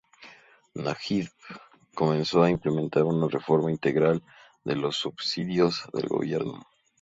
Najib comenzó a implementar una reforma integral de los subsidios del gobierno.